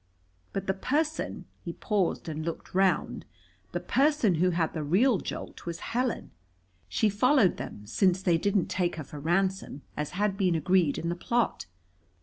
But the person" he paused and looked round "the person who had the real jolt was Helen. She followed them, since they didn't take her for ransom, as had been agreed in the plot.